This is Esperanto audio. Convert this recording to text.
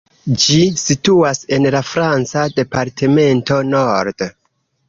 Ĝi situas en la franca departemento Nord.